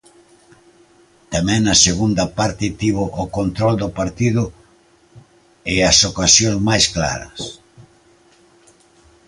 Tamén na segunda parte tivo o control do partido e as ocasións máis claras.